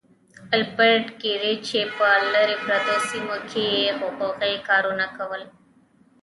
ايلبرټ ګيري چې په لرې پرتو سيمو کې يې حقوقي کارونه کول.